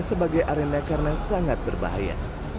sebagai arena karena sangat berbahaya